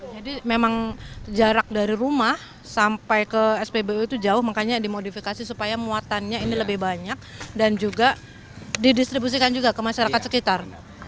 jadi memang jarak dari rumah sampai ke spbu itu jauh makanya dimodifikasi supaya muatannya ini lebih banyak dan juga didistribusikan juga ke masyarakat sekitar